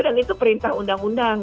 dan itu perintah undang undang